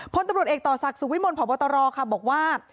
พลตำรวจเอกต่อศักดิ์สุขวิมลพบตรค่ะบอกว่า